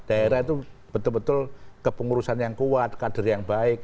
daerah itu betul betul kepengurusan yang kuat kader yang baik